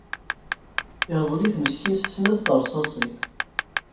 Iɣḍel-it meskin s snat teṛṣasin.